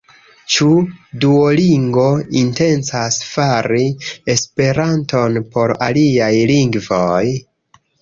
Ĉu Duolingo intencas fari Esperanton por aliaj lingvoj?